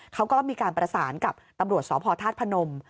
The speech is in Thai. เขาก็มีการประสานกับตำรวจสพธาตุพนม